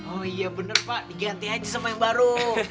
oh iya bener pak diganti aja sama yang baru